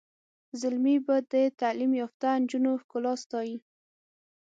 زلمي به د تعلیم یافته نجونو ښکلا ستایي.